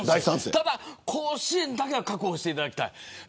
ただ、甲子園だけは確保していただきたい。